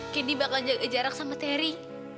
kini bakal jaga jarak sama terry